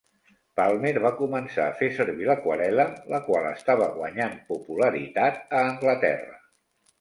Palmer va començar a fer servir l'aquarel·la, la qual estava guanyant popularitat a Anglaterra.